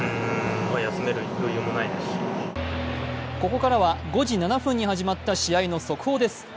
ここからは５時７分に始まった試合の速報です。